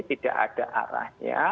tidak ada arahnya